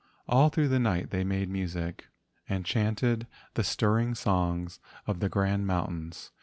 All through the night they made music and chanted the stirring songs of the grand mountains.